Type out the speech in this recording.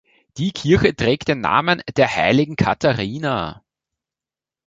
Die Kirche trägt den Namen der heiligen Katharina.